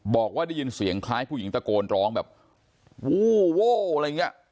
บอกว่าได้ยินเสียงคล้ายผู้หญิงตะโกนร้องแบบวู้โว้อะไรอย่างนี้